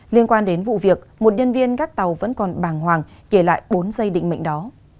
liên quan đến vụ việc một nhân viên gắt tàu vẫn còn bàng hoàng kể lại bốn giây định mệnh đó